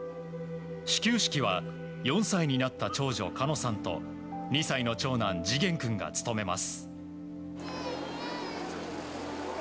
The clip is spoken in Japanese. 始球式は４歳になった長女叶望さんと２歳に長男・志厳君が務めます。